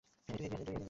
এই, তুই এগিয়ে যা।